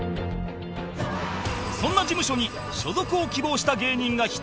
そんな事務所に所属を希望した芸人が１組